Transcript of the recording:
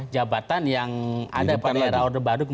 jabatan yang ada pada era orde baru